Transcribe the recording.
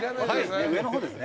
上のほうですね。